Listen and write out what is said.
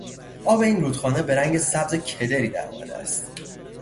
آب این رودخانه به رنگ سبز کدری در آمده است.